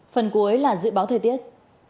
phần cuối là dự báo thời tiết